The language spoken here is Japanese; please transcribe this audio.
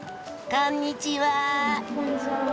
こんにちは。